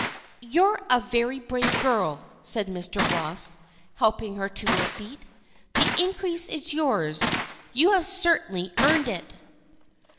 "You're a brave girl," said Mr. Ross, helping her to her feet. "The increase is yours; you have certainly earned it."